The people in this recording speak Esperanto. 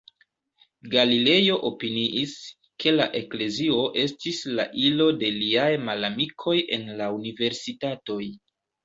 Galilejo opiniis, ke la Eklezio estis la ilo de liaj malamikoj en la universitatoj.